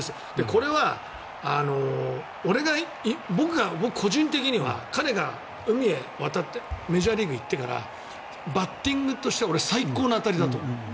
これは僕個人的には彼が海へ渡ってメジャーリーグへ行ってからバッティングとしては俺、最高の当たりだと思う。